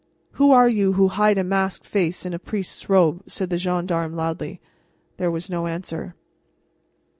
"Who are you who hide a masked face in a priest's robe?" said the gendarme loudly. There was no answer.